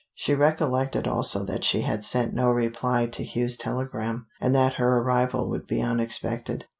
She recollected also that she had sent no reply to Hugh's telegram, and that her arrival would be unexpected.